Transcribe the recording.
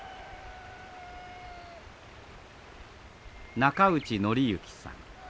中内紀幸さん